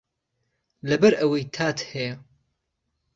لەبەر ئەوەی تات هەیە